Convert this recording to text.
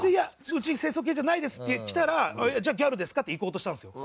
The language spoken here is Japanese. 「うち清楚系じゃないです」ってきたら「じゃあギャルですか？」っていこうとしたんですよ。